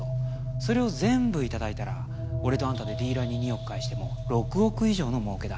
それを全部頂いたら俺とあんたでディーラーに２億返しても６億以上のもうけだ